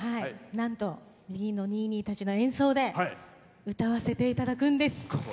なんとＢＥＧＩＮのにいにいたちの演奏で歌わせていただくんです。